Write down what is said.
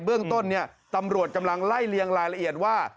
เรื่องต้นตำรวจกำลังไล่เลียงรายละเอียดว่า